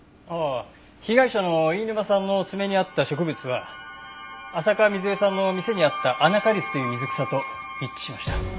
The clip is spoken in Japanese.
ああ被害者の飯沼さんの爪にあった植物は浅香水絵さんの店にあったアナカリスという水草と一致しました。